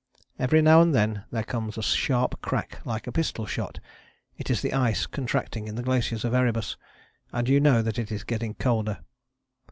Every now and then there comes a sharp crack like a pistol shot; it is the ice contracting in the glaciers of Erebus, and you know that it is getting colder.